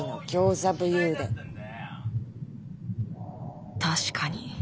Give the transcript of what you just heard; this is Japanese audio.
心の声確かに。